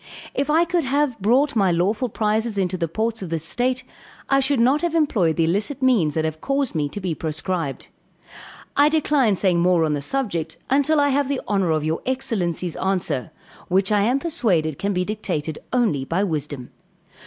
If I could have brought my lawful prizes into the ports of this state, I should not have employed the illicit means that have caused me to be proscribed. I decline saying more on the subject, until I have the honor of your excellency's answer, which I am persuaded can be dictated only by wisdom.